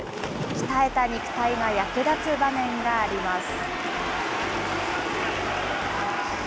鍛えた肉体が役立つ場面があります。